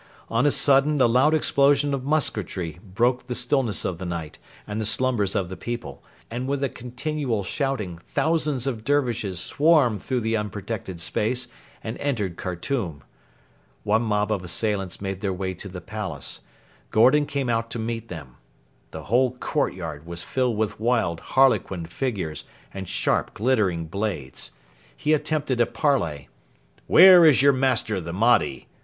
On a sudden the loud explosion of musketry broke the stillness of the night and the slumbers of the people; and with a continual shouting thousands of Dervishes swarmed through the unprotected space and entered Khartoum. One mob of assailants made their way to the palace. Gordon came out to meet them. The whole courtyard was filled with wild, harlequin figures and sharp, glittering blades. He attempted a parley. 'Where is your master, the Mahdi?'